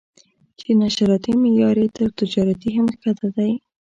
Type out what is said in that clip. چې نشراتي معیار یې تر تجارتي هم ښکته دی.